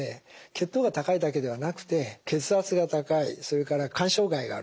血糖が高いだけではなくて血圧が高いそれから肝障害がある脂質異常症